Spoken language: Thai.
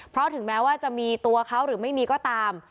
เพราะถึงแม้ว่าจะมีตัวเขาหรือไม่มีก็ตาม